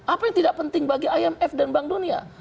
apa yang tidak penting bagi imf dan bank dunia